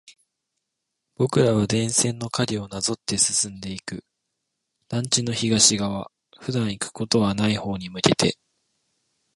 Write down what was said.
僕らは電線の影をなぞって進んでいく。団地の東側、普段行くことはない方に向けて。